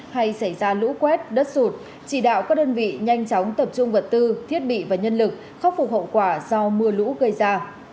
hay xảy ra lũ quét đất sụt chỉ đạo các đơn vị nhanh chóng tập trung vật tư thiết bị và nhân lực khắc phục hậu quả do mưa lũ gây ra